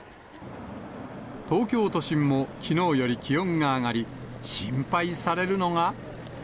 東京都心もきのうより気温が上がり、心配されるのが。